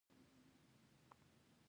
پیلوټ د وخت پابند وي.